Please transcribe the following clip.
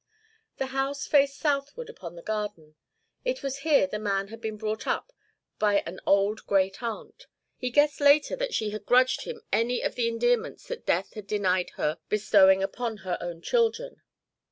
The house faced southward upon the garden. It was here the man had been brought up by an old great aunt. He guessed later that she had grudged him any of the endearments that death had denied her bestowing upon her own children.